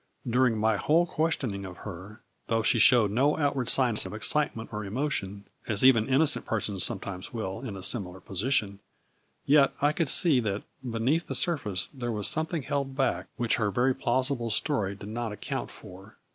Dur ing my whole questioning of her, though she showed no outward signs of excitement or emo 6 82 A FLURRY IN DIAMONDS. tion, as even innocent persons sometimes will, in a similar position, yet I could see, that, be neath the surface, there was something held back which her very plausible story did not account for.